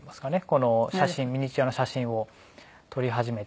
この写真ミニチュアの写真を撮り始めて。